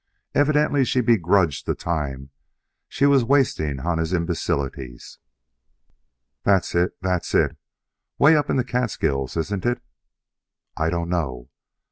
Evidently she begrudged the time she was wasting on his imbecilities. "That's it; that's it. 'Way up in the Catskills, isn't it?" "I don't know.